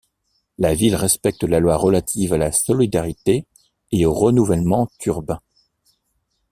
La ville respecte la loi relative à la solidarité et au renouvellement urbains.